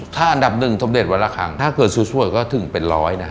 ถ้าอันดับหนึ่งสมเด็จวันละครั้งถ้าเกิดสวยก็ถึงเป็นร้อยนะฮะ